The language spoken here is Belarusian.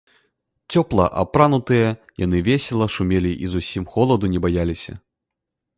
Цёпла апранутыя, яны весела шумелі і зусім холаду не баяліся.